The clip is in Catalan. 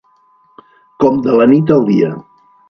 Com de la nit al dia.